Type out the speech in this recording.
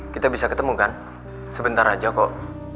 kita bisa ketemu kan sebentar aja kok